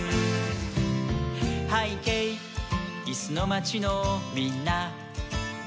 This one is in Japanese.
「はいけいいすのまちのみんな」